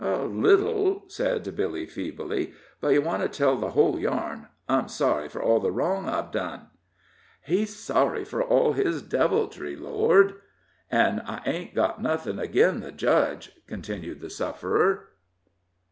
"A little," said Billy, feebly; "but you want to tell the whole yarn. I'm sorry for all the wrong I've done." "He's sorry for all his deviltry, Lord " "An' I ain't got nothin' agin the Judge," continued the sufferer.